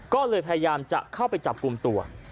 ก็เลยพยายามจะเข้าไปจับกลุ่มตัว